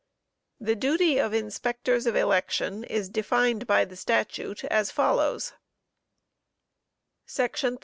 The duty of Inspectors of Election is defined by the Statute as follows: "§ 13.